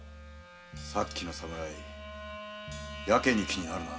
さっきの侍ヤケに気になるな。